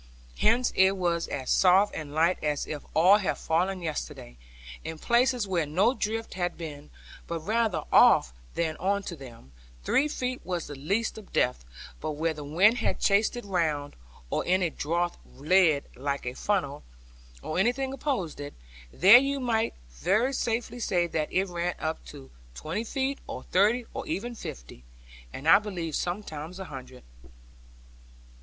Hence it was as soft and light as if all had fallen yesterday. In places where no drift had been, but rather off than on to them, three feet was the least of depth; but where the wind had chased it round, or any draught led like a funnel, or anything opposed it; there you might very safely say that it ran up to twenty feet, or thirty, or even fifty, and I believe some times a hundred.